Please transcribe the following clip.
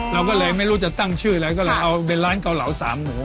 เราก็เลยไม่รู้จะตั้งชื่ออะไรก็เลยเอาเป็นร้านเกาเหลาสามหมู